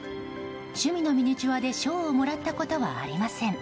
趣味のミニチュアで賞をもらったことはありません。